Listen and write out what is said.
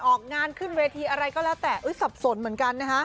ออกงานขึ้นเวทีอะไรก็แล้วแต่สับสนเหมือนกันนะฮะ